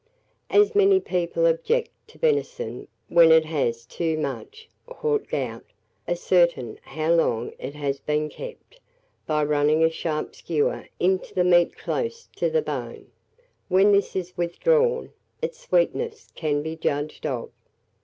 As many people object to venison when it has too much haut goût, ascertain how long it has been kept, by running a sharp skewer into the meat close to the bone; when this is withdrawn, its sweetness can be judged of.